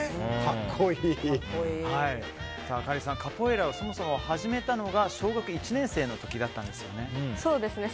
あかりさん、カポエイラをそもそも始めたのが小学１年生の時だったんですよね。